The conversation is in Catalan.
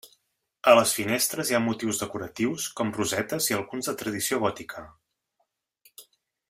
A les finestres hi ha motius decoratius com rosetes i alguns de tradició gòtica.